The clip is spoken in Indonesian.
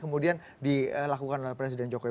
kemudian dilakukan oleh presiden jokowi